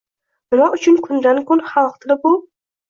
Nima uchun kundan-kun xalq tili bu.